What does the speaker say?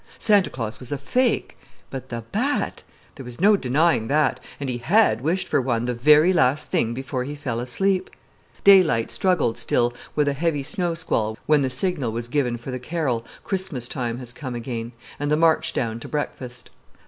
Santa Claus was a fake, but the bat there was no denying that, and he had wished for one the very last thing before he fell asleep! Daylight struggled still with a heavy snow squall when the signal was given for the carol "Christmas time has come again," and the march down to breakfast.